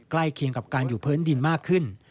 เคียงกับการอยู่พื้นดินมากขึ้น